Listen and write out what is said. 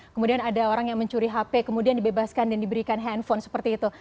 kemudian ada orang yang mencuri hp kemudian dibebaskan dan diberikan handphone seperti itu